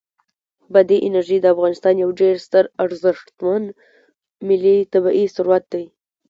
بادي انرژي د افغانستان یو ډېر ستر او ارزښتمن ملي طبعي ثروت دی.